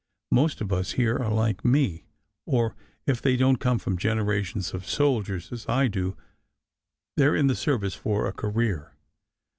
Most of us here are like me; or if they don t come from generations of soldiers as I do, they re in the service for a career.